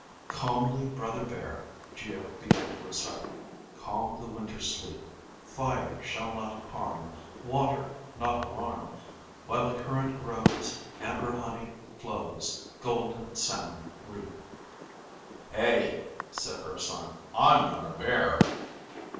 "Calmly brother bear," Geo began to recite. "_calm the winter sleep. Fire shall not harm, water not alarm. While the current grows, amber honey flaws, golden salmon leap._" "Hey," said Urson. "I'm not a bear."